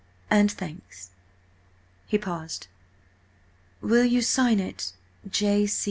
and thanks.'" He paused. "Will you sign it J.